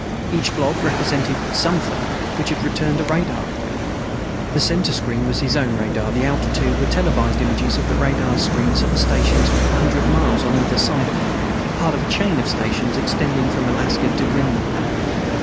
Each blob represented something which had returned a radar echo. The center screen was his own radar. The outer two were televised images of the radar screens at the stations a hundred miles on either side of him, part of a chain of stations extending from Alaska to Greenland.